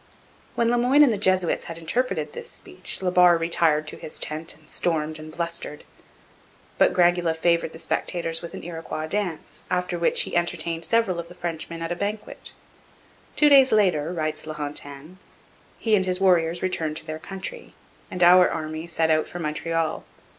] When Le Moyne and the Jesuits had interpreted this speech La Barre 'retired to his tent and stormed and blustered.' But Grangula favoured the spectators with an Iroquois dance, after which he entertained several of the Frenchmen at a banquet. 'Two days later,' writes La Hontan, 'he and his warriors returned to their own country, and our army set out for Montreal.